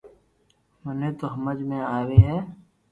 مني تو ھمج ۾ آئي ھي